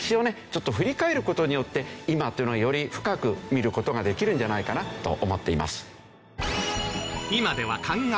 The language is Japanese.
ちょっと振り返る事によって今というのをより深く見る事ができるんじゃないかなと思っています。